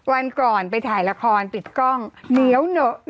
วันก่อนไปถ่ายละครติดกล้องเนี๊ยวเหนอะร้อนทั้งวัน